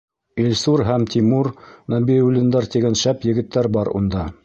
Илсур һәм Тимур Нәбиуллиндар тигән шәп егеттәр бар унда.